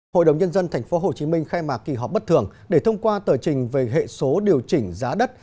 hội đồng nhân dân tp hcm khai mạc kỳ họp bất thường để thông qua tờ trình về hệ số điều chỉnh giá đất